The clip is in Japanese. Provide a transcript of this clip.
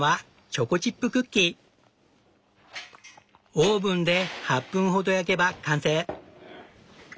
オーブンで８分ほど焼けば完成。